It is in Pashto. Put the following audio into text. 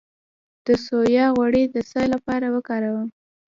د سویا غوړي د څه لپاره وکاروم؟